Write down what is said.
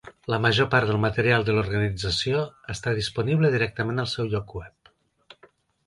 La major part del material de l'organització està disponible directament al seu lloc web.